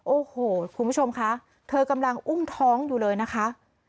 โอ้โหคุณผู้ชมคะเธอกำลังอุ้มท้องอยู่เลยนะคะ